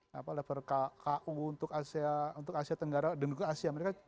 di level ku untuk asia tenggara dan juga asia